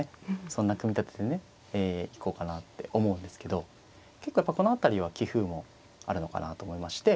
そんな組み立てでね行こうかなって思うんですけど結構やっぱりこの辺りは棋風もあるのかなと思いまして。